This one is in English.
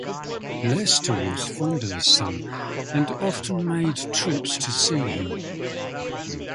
Leicester was fond of his son and often made trips to see him.